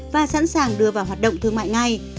và sẵn sàng đưa vào hoạt động thương mại ngay